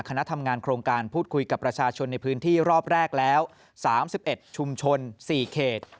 คณะทำงานโครงการพูดคุยกับประชาชนในพื้นที่รอบแรกแล้ว๓๑ชุมชน๔เขต